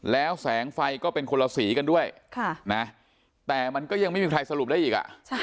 แล้วแสงไฟก็เป็นคนละสีกันด้วยแต่มันก็ยังไม่มีใครสรุปได้อีก